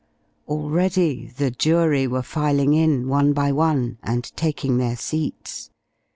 Already the jury were filing in, one by one, and taking their seats.